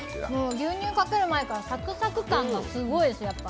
牛乳かける前からサクサク感がすごいです、やっぱり。